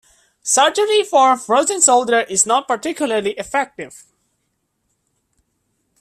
Surgery for frozen shoulder is not particularly effective.